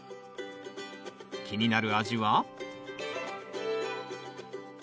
気になる味は？